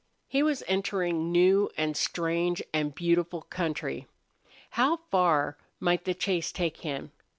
He was entering new and strange and beautiful country. How far might the chase take him?